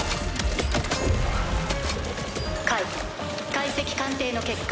解析鑑定の結果。